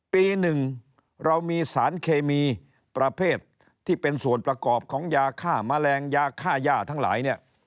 ปีหนึ่งเรามีสารเคมีประเภทที่เป็นส่วนประกอบของยาฆ่าแมลงยาค่าย่าทั้งหลายเนี่ย